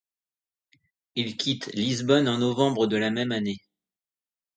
Il quitte Lisbonne en novembre de la même année.